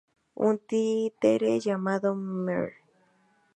Un títere llamado Mr.